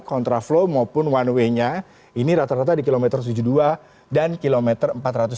kontraflow maupun one way nya ini rata rata di kilometer tujuh puluh dua dan kilometer empat ratus tujuh puluh